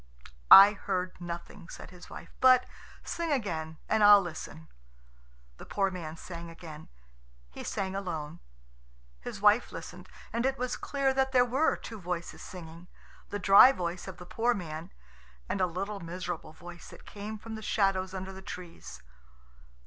"I heard nothing," said his wife; "but sing again, and I'll listen." The poor man sang again. He sang alone. His wife listened, and it was clear that there were two voices singing the dry voice of the poor man, and a little miserable voice that came from the shadows under the trees.